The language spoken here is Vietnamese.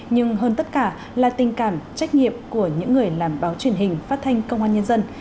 nhưng hơn tất cả là tình cảm trách nhiệm của những người làm báo truyền hình phát thanh công an nhân dân